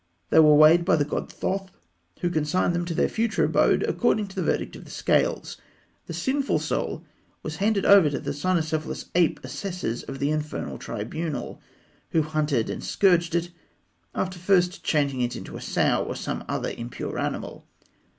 They were weighed by the god Thoth, who consigned them to their future abode according to the verdict of the scales. The sinful Soul was handed over to the cynocephalous ape assessors of the infernal tribunal, who hunted and scourged it, after first changing it into a sow, or some other impure animal.